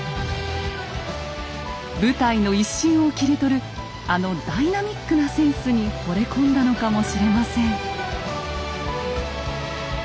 舞台の一瞬を切り取るあのダイナミックなセンスにほれ込んだのかもしれません。